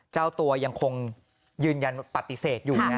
เราคงยืนยันปฏิเสธอยู่